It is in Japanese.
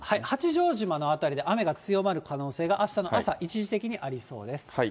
八丈島の辺りで雨が強まる可能性が、あしたの朝、一時的にありそうです。